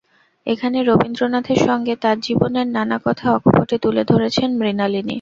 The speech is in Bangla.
এখানে রবীন্দ্রনাথের সঙ্গে তাঁর জীবনের নানা কথা অকপটে তুলে ধরেছেন মৃণালিনী।